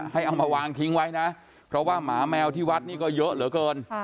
เอามาวางทิ้งไว้นะเพราะว่าหมาแมวที่วัดนี่ก็เยอะเหลือเกิน